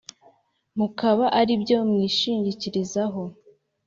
mukaba ari byo mwishingikirizaho